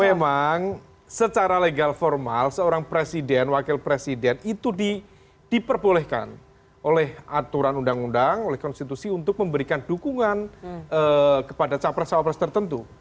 memang secara legal formal seorang presiden wakil presiden itu diperbolehkan oleh aturan undang undang oleh konstitusi untuk memberikan dukungan kepada capres capres tertentu